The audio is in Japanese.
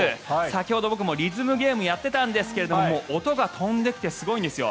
先ほど僕もリズムゲームをやっていたんですが音が飛んできてすごいんですよ。